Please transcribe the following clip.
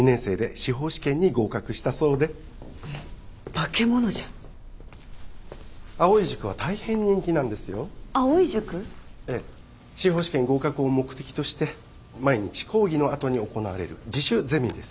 司法試験合格を目的として毎日講義の後に行われる自主ゼミです。